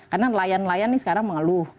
karena nelayan nelayan ini sekarang mengeluh